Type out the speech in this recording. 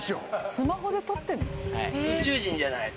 スマホで撮ってんの？